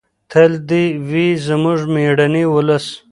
تل دې وي زموږ مېړنی ولس.